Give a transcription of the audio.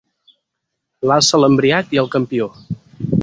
L'alça l'embriac i el campió.